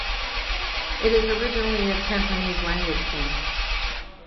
It is originally a Cantonese language film.